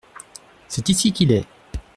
C’est ici qu’il est.